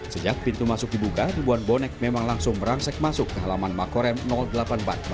sejak pintu masuk dibuka ribuan bonek memang langsung merangsek masuk ke halaman makorem delapan puluh empat